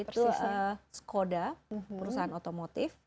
itu skoda perusahaan otomotif